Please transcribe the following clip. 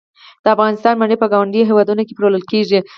د افغانستان مڼې په ګاونډیو هیوادونو کې پلورل کیږي